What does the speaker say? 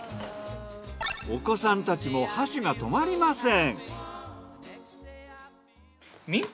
お子さんたちも箸が止まりません。